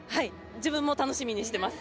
自分も楽しみにしています。